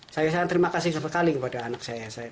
saya terima kasih sekali kepada anak saya